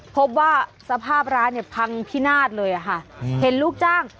พบว่าสภาพร้านเนี่ยพังพินาศเลยอะค่ะเห็นลูกจ้าง